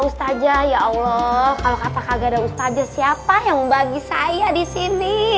ustazah ya allah kalau kata kagak ada ustazah siapa yang bagi saya di sini